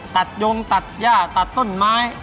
ตัดแย่ตัดต้นไม้